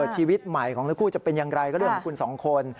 ชีวิตใหม่ของทั้งคู่จะเป็นอย่างไรก็เรื่องของคุณสองคน